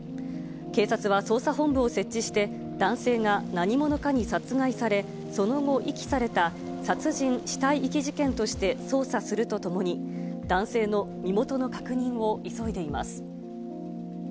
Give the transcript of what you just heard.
警察は捜査本部を設置して、男性が何者かに殺害され、その後、遺棄された、殺人死体遺棄事件として捜査するとともに、男性の身元の確認を急いでいます。